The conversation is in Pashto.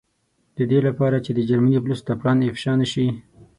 د دې له پاره چې د جرمني پولیسو ته پلان افشا نه شي.